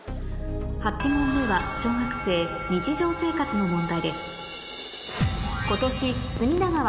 ８問目は小学生日常生活の問題です